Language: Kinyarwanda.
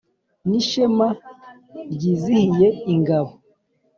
N'ishema ryizihiye ingabo